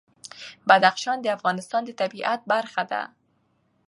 بدخشان د افغانستان د طبیعت برخه ده.